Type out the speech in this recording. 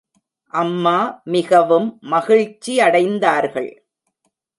அம்மா மிகவும் மகிழ்ச்சியடைந்தார்கள்.